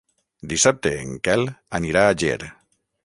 Dissabte en Quel anirà a Ger.